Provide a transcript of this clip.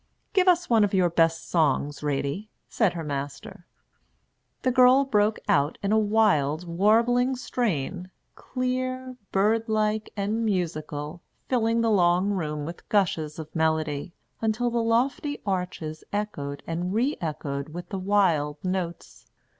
"Give us one of your best songs, Ratie," said her master. The girl broke out in a wild, warbling strain, clear, bird like, and musical, filling the long room with gushes of melody, until the lofty arches echoed and re echoed with the wild notes.